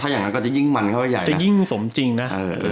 อย่างนั้นก็จะยิ่งมันเข้าไปใหญ่จะยิ่งสมจริงนะ